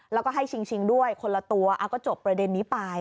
แล้วก็ให้ชิงด้วยคนละตัวก็จบประเด็นนี้ไป